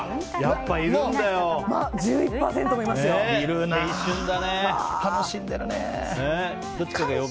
やっぱりいるんだよ。